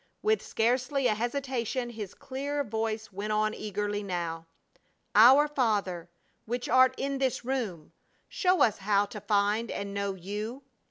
With scarcely a hesitation his clear voice went on eagerly now: "Our Father, which art in this room, show us how to find and know You."